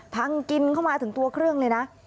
กินเข้ามาถึงตัวเครื่องเลยนะ